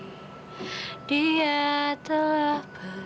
nishtaya dia akan merasa terhibur